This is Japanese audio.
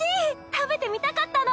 食べてみたかったの！